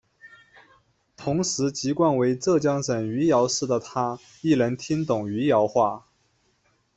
同时籍贯为浙江省余姚市的她亦能听懂余姚话。